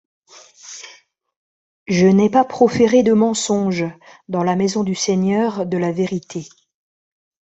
Je n’ai pas proféré de mensonges dans la maison du Seigneur de la vérité.